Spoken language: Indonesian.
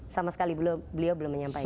sama sekali beliau belum menyampaikan